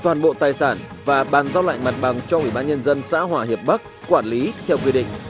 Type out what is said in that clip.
toàn bộ tài sản và bàn giao lạnh mặt bằng cho quỹ bán nhân dân xã hòa hiệp bắc quản lý theo quy định